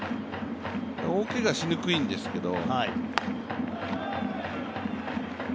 大けがしにくいんですけど。